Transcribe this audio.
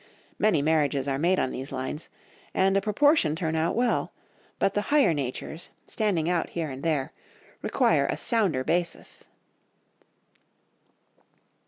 Many marriages are made on these lines, and a proportion turn out well; but the higher natures, standing out here and there, require a sounder basis.